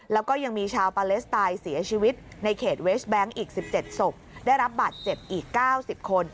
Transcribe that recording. แล้วก็ยังมีชาวปาเลสไตน์เสียชีวิตในเขตเวสแบงค์อีก๑๗ศพได้รับบาดเจ็บอีก๙๐คน